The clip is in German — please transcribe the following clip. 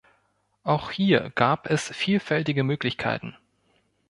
Auch hier gab es vielfältige Möglichkeiten.